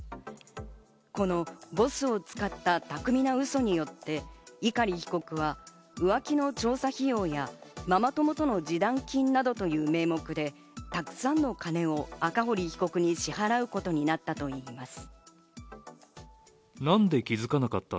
このボスを使った巧みなウソによって碇被告は浮気の調査費用や、ママ友との示談金などという名目で、たくさんの金を赤堀被告に支払うことになったといいます。